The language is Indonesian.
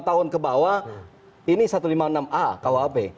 lima tahun ke bawah ini satu ratus lima puluh enam a khp